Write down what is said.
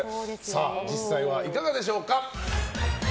実際はいかがでしょうか？